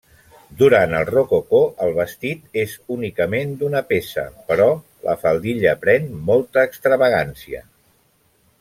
Durant el Rococó el vestit és únicament d'una peça, però la faldilla pren molta extravagància.